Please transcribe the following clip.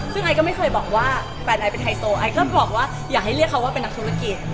ซึ่งไอก็ไม่เคยบอกว่าแฟนไอเป็นไฮโซไอก็บอกว่าอย่าให้เรียกเขาว่าเป็นนักธุรกิจ